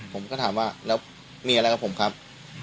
ผมก็ถามว่าแล้วมีอะไรกับผมครับ